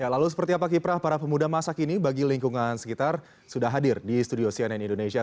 lalu seperti apa kiprah para pemuda masa kini bagi lingkungan sekitar sudah hadir di studio cnn indonesia